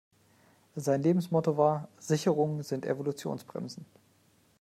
Sein Lebensmotto war: Sicherungen sind Evolutionsbremsen.